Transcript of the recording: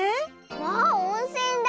わあおんせんだ！